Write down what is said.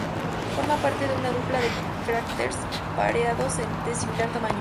Forma parte de una dupla de cráteres pareados de similar tamaño.